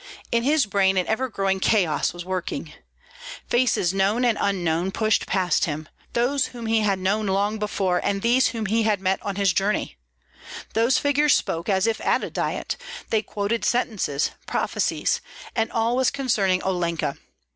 In his brain an ever growing chaos was working. Faces known and unknown pushed past him, those whom he had known long before and those whom he had met on this journey. Those figures spoke, as if at a diet, they quoted sentences, prophecies; and all was concerning Olenka.